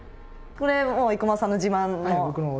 これもう生駒さんの自慢の？